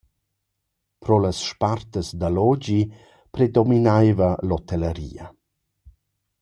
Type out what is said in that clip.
Pro las spartas d’allogi predominaiva l’hotellaria.